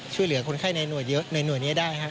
ช่วยเหลือคนไข้ในหน่วยนี้ได้ครับ